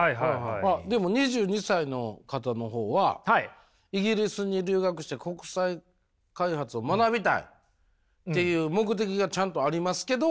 あっでも２２歳の方のほうはイギリスに留学して国際開発を学びたいっていう目的がちゃんとありますけど。